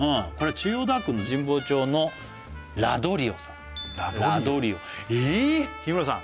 千代田区の神保町のラドリオさんえっ日村さん